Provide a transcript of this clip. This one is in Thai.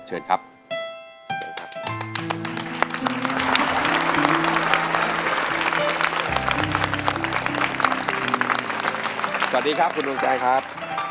สวัสดีครับคุณดวงใจครับ